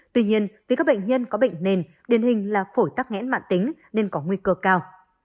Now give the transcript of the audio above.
tuy nhiên vì các bệnh nhân có bệnh nền điện hình là phổi tắc nghẽn mạng tính nên có nguy cơ cao